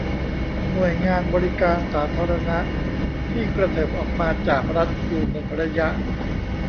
หน่วยงานบริการสาธารณะที่กระเถิบออกมาจากรัฐอยู่หนึ่งระยะ